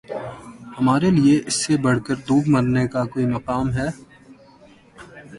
ہمارے لیے اس سے بڑھ کر دوب مرنے کا کوئی مقام ہے